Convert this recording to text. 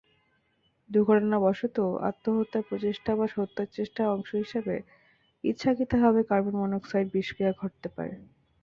দুর্ঘটনাবশত, আত্মহত্যার প্রচেষ্টা, বা হত্যা চেষ্টার অংশ হিসেবে ইচ্ছাকৃতভাবে কার্বন মনোক্সাইড বিষক্রিয়া ঘটতে পারে।